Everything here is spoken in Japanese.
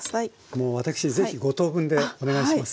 もう私是非５等分でお願いします。